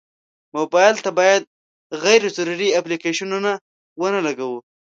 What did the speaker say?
موبایل ته باید غیر ضروري اپلیکیشنونه ونه لګوو.